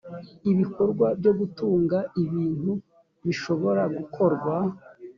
ibikorwa byo gutunga ibintu bishobora gukorwa